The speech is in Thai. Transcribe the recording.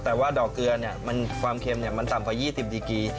แต่ว่าดอกเกลือความเค็มมันต่ำกว่า๒๐ดีกี